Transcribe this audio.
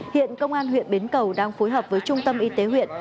hiện công an huyện bến cầu đang phối hợp với trung tâm y tế huyện